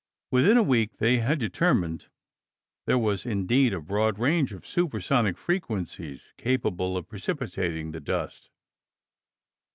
Within a week, they had determined there was indeed a broad range of supersonic frequencies capable of precipitating the dust.